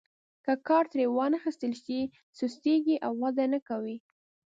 که کار ترې وانخیستل شي سستیږي او وده نه کوي.